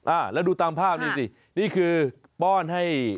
อ่าแล้วดูตามภาพนี่สินี่คือป้อนให้